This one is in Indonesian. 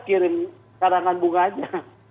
kirim karangan bunga aja